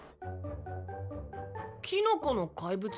キノコの怪物？